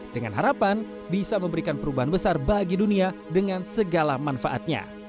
dengan harapan bisa memberikan perubahan besar bagi dunia dengan segala manfaatnya